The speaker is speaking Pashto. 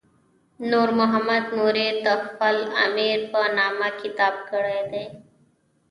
نور محمد نوري تحفة الامیر په نامه کتاب کړی دی.